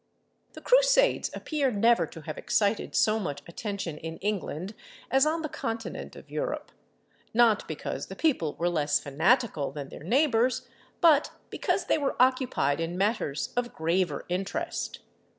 The Crusades appear never to have excited so much attention in England as on the continent of Europe; not because the people were less fanatical than their neighbours, but because they were occupied in matters of graver interest.